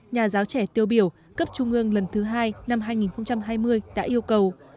nhà giáo trẻ tiêu biểu cấp trung ương lần thứ hai năm hai nghìn hai mươi đã yêu cầu